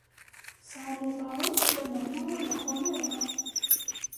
Sɛan iḍarren, lameɛna ur leḥḥun ara.